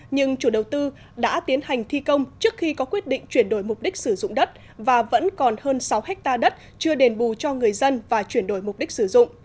nhưng chủ đầu tư đã tiến hành thi công trước khi có quyết định chuyển đổi mục đích sử dụng đất và vẫn còn hơn sáu hectare đất chưa đền bù cho người dân và chuyển đổi mục đích sử dụng